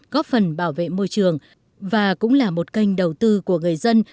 góp phần bảo vệ môi trường và cũng là một kênh đầu tư của người dân